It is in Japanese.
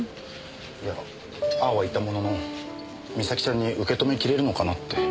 いやああは言ったものの美咲ちゃんに受け止めきれるのかなって。